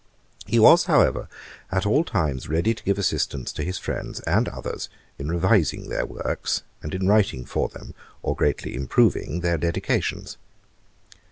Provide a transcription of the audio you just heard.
He was, however, at all times ready to give assistance to his friends, and others, in revising their works, and in writing for them, or greatly improving their Dedications.